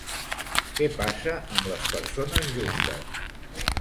Què passa amb les persones justes?